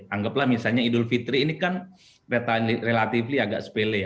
anggaplah misalnya idul fitri ini kan relatif agak sepele ya